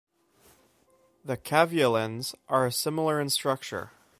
The caveolins are similar in structure.